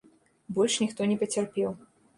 Больш ніхто не пацярпеў.